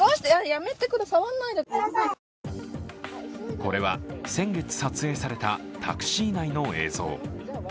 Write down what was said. これは先月撮影されたタクシー内の映像。